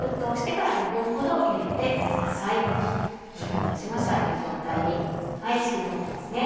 ２分たちましたいい状態に透き通ってますね。